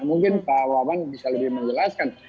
mungkin pak wawan bisa lebih menjelaskan